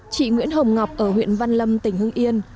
chị nguyễn hồng ngọc ở huyện văn lâm tỉnh hưng yên